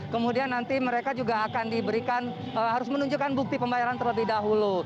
kemudian nanti mereka juga akan diberikan harus menunjukkan bukti pembayaran terlebih dahulu